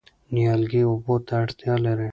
نیالګي اوبو ته اړتیا لري.